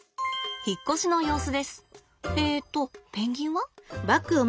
えっとペンギンは？